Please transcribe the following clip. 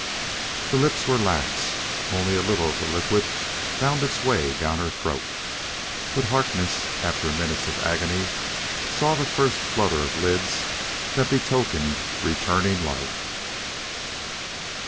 The lips were lax; only a little of the liquid found its way down her throat. But Harkness, after minutes of agony, saw the first flutter of lids that betokened returning life....